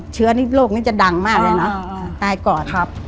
เชื้อนี่โรคนี้จะดังมากเลยนะตายก่อนครับ